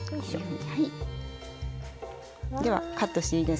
はい。